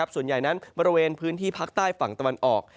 ส่วนใหญ่นั้นบริเวณพื้นที่ภาคใต้ฝั่งตะวันออก